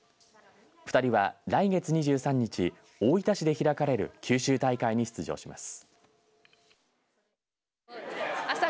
２人は来月２３日大分市で開かれる九州大会に出場します。